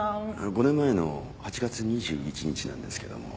５年前の８月２１日なんですけども。